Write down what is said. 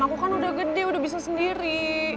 aku kan udah gede udah bisa sendiri